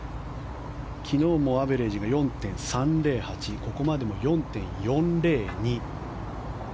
昨日もアベレージが４．３０８ここまで４．４０２。